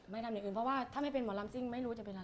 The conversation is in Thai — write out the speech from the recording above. ไม่ทำอย่างอื่นเพราะว่าถ้าไม่เป็นหมอลำซิ่งไม่รู้จะเป็นอะไรค่ะ